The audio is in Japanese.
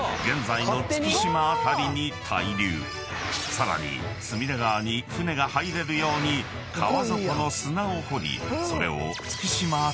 ［さらに隅田川に船が入れるように川底の砂を掘りそれを］